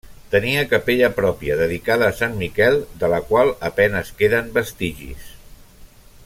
Tenia capella pròpia, dedicada a Sant Miquel, de la qual a penes queden vestigis.